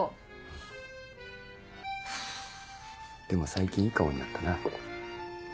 でも最近いい顔になったな。